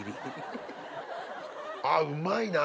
あっうまいな！